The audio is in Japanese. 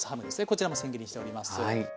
こちらもせん切りにしております。